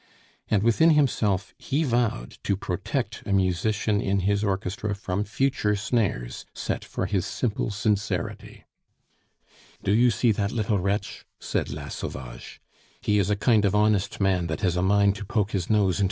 And within himself he vowed to protect a musician in his orchestra from future snares set for his simple sincerity. "Do you see that little wretch?" said La Sauvage. "He is a kind of honest man that has a mind to poke his nose into M.